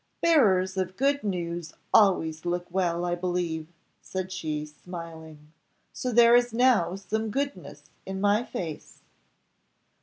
"Bearers of good news always look well, I believe," said she, smiling; "so there is now some goodness in my face."